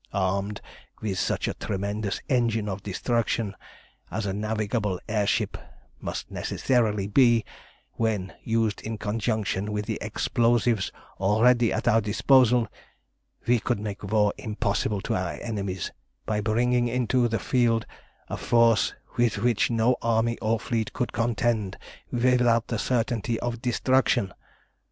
Armed with such a tremendous engine of destruction as a navigable air ship must necessarily be, when used in conjunction with the explosives already at our disposal, we could make war impossible to our enemies by bringing into the field a force with which no army or fleet could contend without the certainty of destruction.